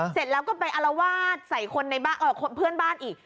เสร็จแล้วก็ไปอารวาสใส่คนในบ้านเพื่อนบ้านอีก